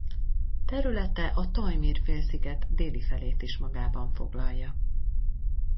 Területe a Tajmir-félsziget déli felét is magában foglalja.